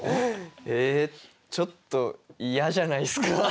ええちょっと嫌じゃないっすか？